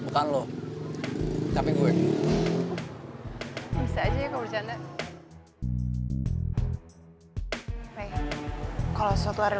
kalau suatu hari